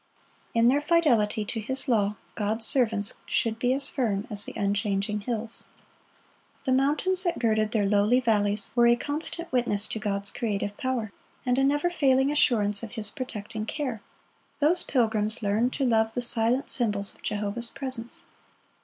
In their fidelity to His law, God's servants should be as firm as the unchanging hills. The mountains that girded their lowly valleys were a constant witness to God's creative power, and a never failing assurance of His protecting care. Those pilgrims learned to love the silent symbols of Jehovah's presence.